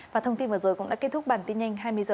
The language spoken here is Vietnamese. và thông tin vừa rồi cũng đã kết thúc bản tin nhanh hai mươi h